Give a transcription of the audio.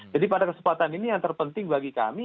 jadi pada kesempatan ini yang terpenting bagi kami